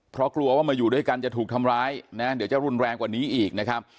เพราะกลัวว่ามาอยู่ด้วยกันจะถูกทำร้ายนะเดี๋ยวจะรุนแรงกว่านี้อีกนะครับ